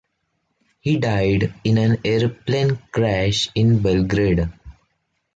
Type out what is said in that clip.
He died in an airplane crash in Belgrade.